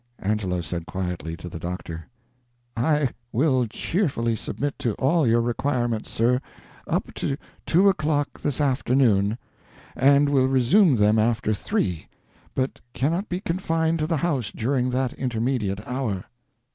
Angelo said quietly to the doctor: "I will cheerfully submit to all your requirements, sir, up to two o'clock this afternoon, and will resume them after three, but cannot be confined to the house during that intermediate hour."